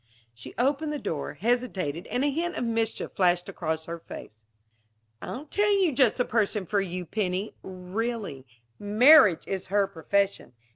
She opened the door, hesitated and a hint of mischief flashed across her face. "I'll tell you just the person for you, Penny. Really. Marriage is her profession.